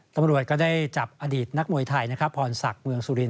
ตำรวจก็ได้จับอดีตนักมวยไทยนะครับพรศักดิ์เมืองสุรินท